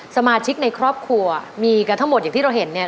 สมาชิกในครอบครัวมีกันทั้งหมดอย่างที่เราเห็นเนี่ย